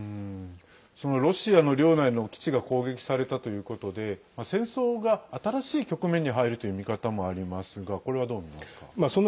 そのロシアの領内の基地が攻撃されたということで戦争が新しい局面に入るという見方もありますがこれはどう見ますか？